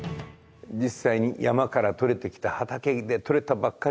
実際に山から取れてきた畑で取れたばっかりのもの